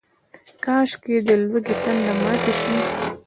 کاشکي، د لوږې تنده ماته شي